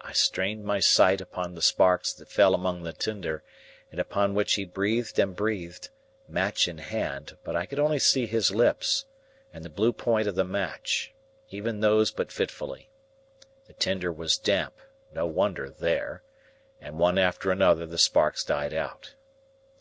I strained my sight upon the sparks that fell among the tinder, and upon which he breathed and breathed, match in hand, but I could only see his lips, and the blue point of the match; even those but fitfully. The tinder was damp,—no wonder there,—and one after another the sparks died out.